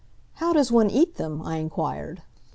"How does one eat them?" I inquired.